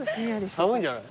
寒いんじゃない？